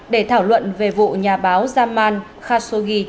để thảo luận về vụ nhà báo salman khashoggi